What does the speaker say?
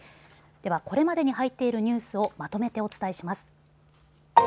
では、これまでに入っているニュースをまとめてお伝えします。